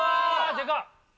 でかっ。